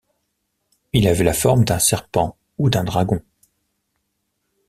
Il avait la forme d'un serpent ou d'un dragon.